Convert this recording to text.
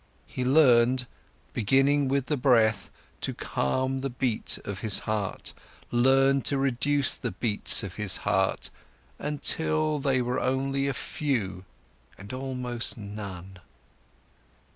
He learned, beginning with the breath, to calm the beat of his heart, learned to reduce the beats of his heart, until they were only a few and almost none.